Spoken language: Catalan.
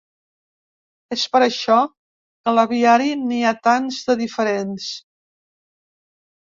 És per això que a l'aviari n'hi ha tants de diferents.